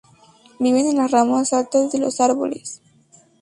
Viven en las ramas altas de los árboles.